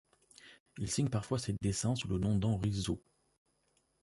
Il signe parfois ses dessins sous le nom d'Henri Zo.